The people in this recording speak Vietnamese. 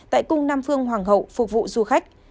tại cung nam phương hoàng hậu phục vụ du khách